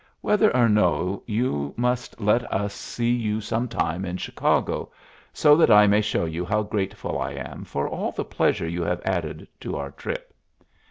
"Whether or no, you must let us see you some time in Chicago, so that I may show you how grateful I am for all the pleasure you have added to our trip."